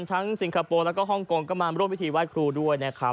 สิงคโปร์แล้วก็ฮ่องกงก็มาร่วมพิธีไหว้ครูด้วยนะครับ